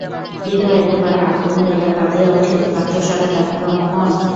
বিভা একেবারে আকুল হইয়া কাঁদিয়া উঠিল, কাতর স্বরে ডাকিল, মোহন।